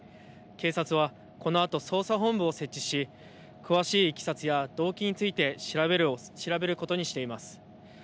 警察はこのあと捜査本部を設置し詳しいいきさつや動機について調べることにしています。